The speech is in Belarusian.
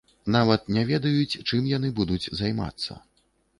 Нават не ведаюць, чым яны будуць займацца.